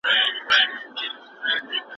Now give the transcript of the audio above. د مرغۍ بچي الوتل زده کوي.